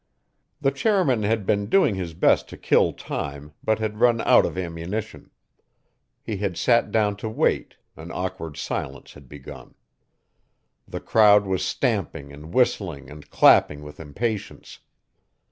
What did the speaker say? The chairman had been doing his best to kill time but had run out of ammunition. He had sat down to wait, an awkward silence had begun. The crowd was stamping and whistling and clapping with impatience.